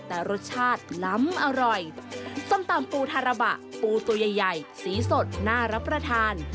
แต่รสชาติล้ำอร่อยส้มตำปูทาระบะปูตัวใหญ่ใหญ่สีสดน่ารับประทาน